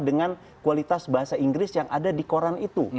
dengan kualitas bahasa inggris yang ada di koran itu